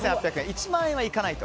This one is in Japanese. １万円はいかないと。